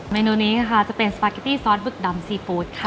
เมนูนี้นะคะจะเป็นสปาเกตตี้ซอสบึกดำซีฟู้ดค่ะ